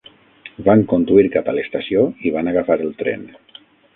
Van conduir cap a l'estació i van agafar el tren.